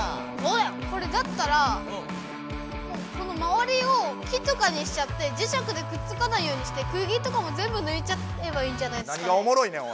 これだったらもうこのまわりを木とかにしちゃって磁石でくっつかないようにしてクギとかも全部ぬいちゃえばいいんじゃないですかね。何がおもろいねん！